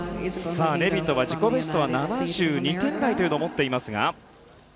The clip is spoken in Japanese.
レビトは自己ベストは７２点台を持っています。